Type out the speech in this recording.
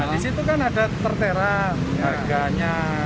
di situ kan ada tertera harganya